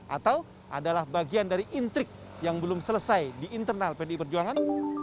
atau adalah bagian dari intrik yang belum selesai di internal pdi perjuangan